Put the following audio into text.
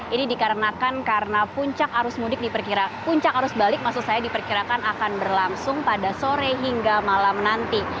ini dikarenakan karena puncak arus mudik diperkira puncak arus balik maksud saya diperkirakan akan berlangsung pada sore hingga malam nanti